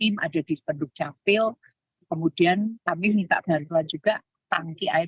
nah kemudian dikirim ada di penduk capil kemudian kami minta daripada juga tangki air